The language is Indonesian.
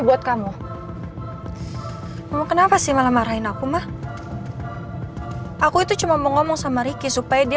buat kamu kenapa sih malah marahin aku mah aku itu cuma mau ngomong sama ricky supaya dia